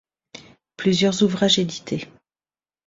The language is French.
Plusieurs ouvrages édités.